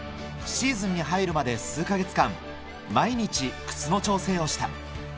シーズンに入るまで数か月間、毎日、靴の調整をした。